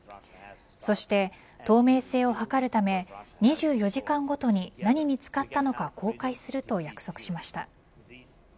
そして、透明性を図るため２４時間ごとに何に使ったのか公開すると約束しました。